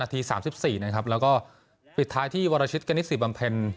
นาทีสามสิบสี่นะครับแล้วก็ปิดท้ายที่วรชิตเกณฑ์สี่บำเพ็ญ